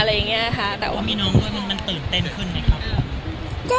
มีน้องด้วยมันตื่นเต้นขึ้นไหมครับ